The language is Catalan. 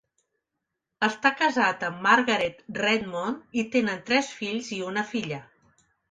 Està casat amb Margaret Redmond i tenen tres fills i una filla.